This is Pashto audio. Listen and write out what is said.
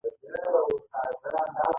د کونړ په سرکاڼو کې څه شی شته؟